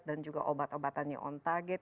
dan juga obat obatannya on target